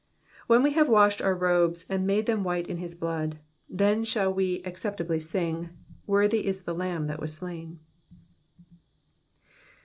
When we have washed our robes and made them white in his blood, then shall we acceptably sing, Worthy is the Lamb that was slain.